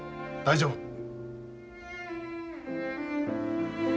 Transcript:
大丈夫。